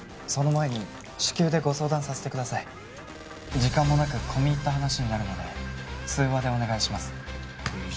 「その前に至急でご相談させてください」「時間もなく込み入った話になるので通話でお願いします」